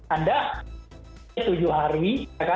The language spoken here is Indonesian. anda tujuh hari